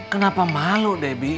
kenapa malu debbie